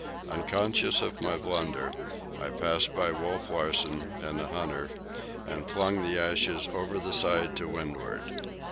Unconscious of my blunder, I passed by Wolf Larsen and the hunter and flung the ashes over the side to windward.